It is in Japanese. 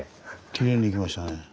きれいにいきましたね。